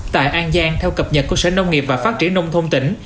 tại an giang theo cập nhật của sở nông nghiệp và phát triển nông thôn tỉnh